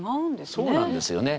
そうなんですよね。